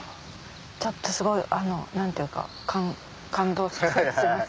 ちょっとすごいあの何ていうか感動します。